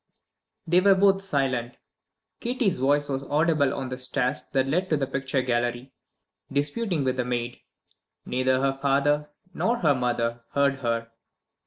They were both silent. Kitty's voice was audible on the stairs that led to the picture gallery, disputing with the maid. Neither her father nor her mother heard her.